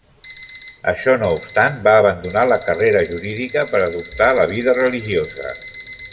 Això no obstant, va abandonar la carrera jurídica per adoptar la vida religiosa.